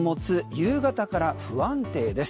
夕方から不安定です。